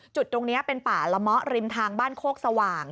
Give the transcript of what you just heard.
จุดตรงนี้เป็นป่าละมะริมทางบ้านโคกสว่าง